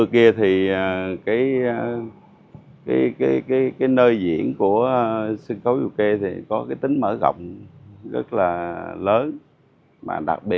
vì vậy nhiều người tìm thấy nét tương đồng của nghệ thuật dù kê với sân khấu cải lương nam bộ